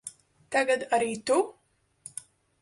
Tagad arī tu?